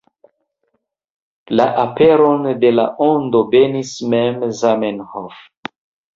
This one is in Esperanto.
La aperon de La Ondo benis mem Zamenhof.